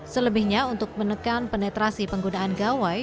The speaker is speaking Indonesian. selebihnya untuk menekan penetrasi penggunaan gawai